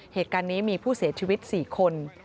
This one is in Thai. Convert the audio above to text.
เหตุการณ์นี้มีผู้เสียชีวิต๔คน